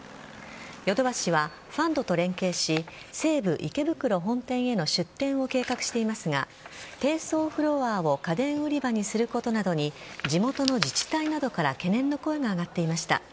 ヨドバシはファンドと連携し西武池袋本店への出店を計画していますが低層フロアを家電売り場にすることなどに地元の自治体などから懸念の声が上がっていました。